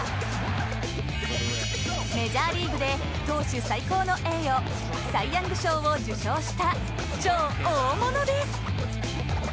メジャーリーグで投手最高の栄誉サイ・ヤング賞を受賞した超大物です。